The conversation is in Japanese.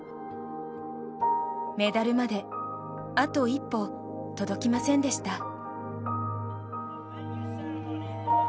メダルまであと一歩届きませんでした。